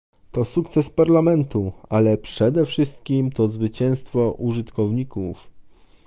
To sukces Parlamentu, ale przede wszystkim to zwycięstwo użytkowników